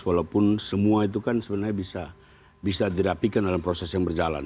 walaupun semua itu kan sebenarnya bisa dirapikan dalam proses yang berjalan